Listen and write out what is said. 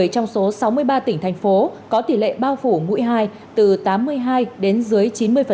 bảy trong số sáu mươi ba tỉnh thành phố có tỷ lệ bao phủ mũi hai từ tám mươi hai đến dưới chín mươi